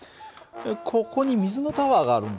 ここに水のタワーがあるんだよ。